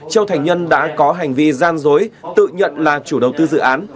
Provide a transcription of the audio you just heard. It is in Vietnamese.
châu thành nhân đã có hành vi gian dối tự nhận là chủ đầu tư dự án